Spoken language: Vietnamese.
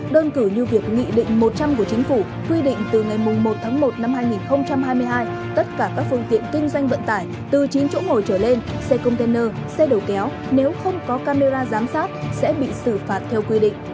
đơn cử như việc nghị định một trăm linh của chính phủ quy định từ ngày một tháng một năm hai nghìn hai mươi hai tất cả các phương tiện kinh doanh vận tải từ chín chỗ ngồi trở lên xe container xe đầu kéo nếu không có camera giám sát sẽ bị xử phạt theo quy định